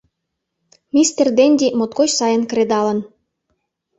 Мистер Денди моткоч сайын кредалын.